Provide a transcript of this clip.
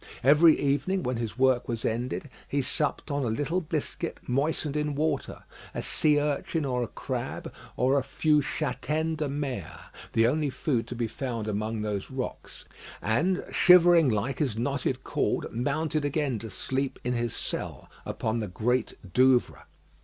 Every evening, when his work was ended, he supped on a little biscuit, moistened in water, a sea urchin or a crab, or a few châtaignes de mer, the only food to be found among those rocks; and shivering like his knotted cord, mounted again to sleep in his cell upon the Great Douvre.